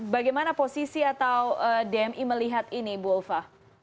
bagaimana posisi atau dmi melihat ini bu ulfa